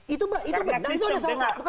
itu benar itu salah